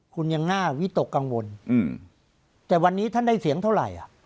คุณยังน่าวิตกกังวลแต่วันนี้ท่านได้เสียงเท่าไหร่